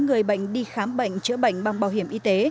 người bệnh đi khám bệnh chữa bệnh bằng bảo hiểm y tế